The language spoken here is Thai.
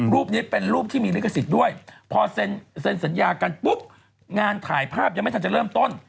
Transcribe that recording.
รูปนี้เป็นรูปที่มีลิขสิทธิ์ด้วยพอเซ็นสัญญากันปุ๊บงานถ่ายภาพยังไม่ทันจะเริ่มต้น